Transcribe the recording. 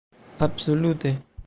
"Absolute."